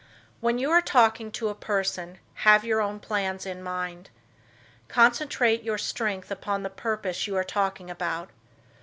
When you are talking to a person have your own plans in mind. Concentrate your strength upon the purpose you are talking about.